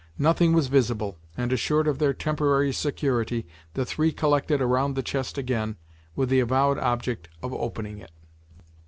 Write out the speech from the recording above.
Nothing was visible, and assured of their temporary security, the three collected around the chest again, with the avowed object of opening it.